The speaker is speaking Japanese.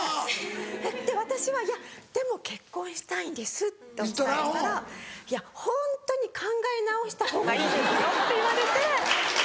で私は「でも結婚したいんです」って伝えたら「いやホントに考え直したほうがいいですよ」って言われて。